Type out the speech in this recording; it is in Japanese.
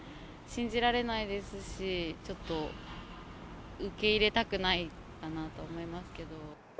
信じられないですし、ちょっと受け入れたくないかなと思いますけど。